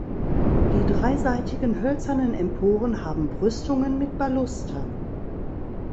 Die dreiseitigen hölzernen Emporen haben Brüstungen mit Balustern.